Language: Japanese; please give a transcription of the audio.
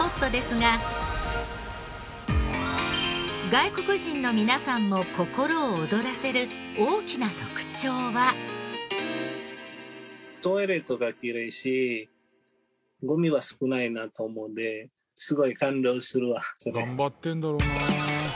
外国人の皆さんも心を躍らせる大きな特徴は。頑張ってるんだろうなあ。